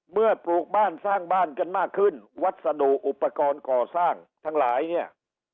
ปลูกบ้านสร้างบ้านกันมากขึ้นวัสดุอุปกรณ์ก่อสร้างทั้งหลายเนี่ย